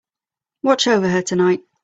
Watch over her tonight.